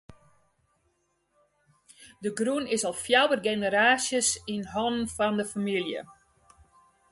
De grûn is al fjouwer generaasjes yn hannen fan de famylje.